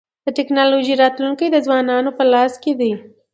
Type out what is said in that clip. د ټکنالوژی راتلونکی د ځوانانو په لاس کي دی.